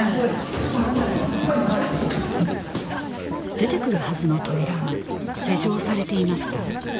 出てくるはずの扉は施錠されていました